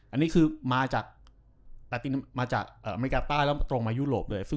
อันนี้คือมาจากอเมริกาใต้แล้วตรงมายุโรปเลย